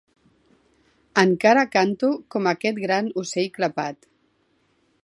Encara canto com aquest gran ocell clapat.